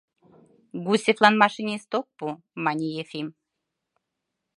— Гусевлан машинист ок пу, — мане Ефим.